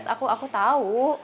aku aku tau